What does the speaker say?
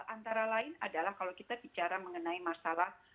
antara lain adalah kalau kita bicara mengenai masalah